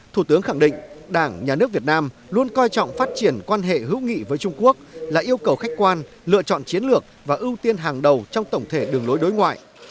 thủ tướng khẳng định đảng nhà nước việt nam luôn coi trọng phát triển quan hệ hữu nghị với trung quốc là yêu cầu khách quan lựa chọn chiến lược và ưu tiên hàng đầu trong tổng thể đường lối đối ngoại